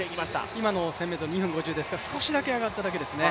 今の１０００ｍ、２分５０ですから少しだけ上がっただけですね。